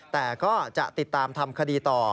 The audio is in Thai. แต่ก็จะติดตามทำคดีต่อ